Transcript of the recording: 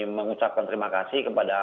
mengucapkan terima kasih kepada